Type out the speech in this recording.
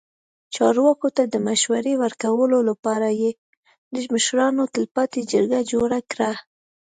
چارواکو ته د مشورې ورکولو لپاره یې د مشرانو تلپاتې جرګه جوړه کړه.